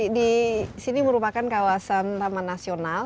di sini merupakan kawasan taman nasional